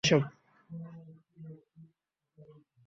ওকে, ভাইসব!